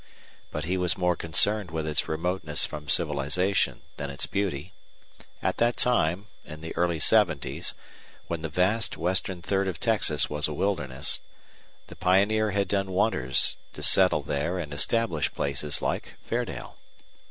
But he was more concerned with its remoteness from civilization than its beauty. At that time, in the early seventies, when the vast western third of Texas was a wilderness, the pioneer had done wonders to settle there and establish places like Fairdale.